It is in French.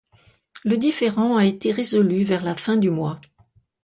Le différend a été résolu vers la fin du mois.